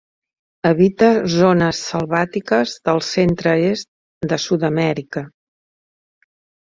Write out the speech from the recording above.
Habita zones selvàtiques del centre-est de Sud-amèrica.